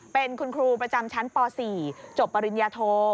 เป็นคุณครูประจำชั้นป๔จบปริญญาโท